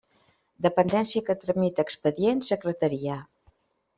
Dependència que tramita expedient: secretaria.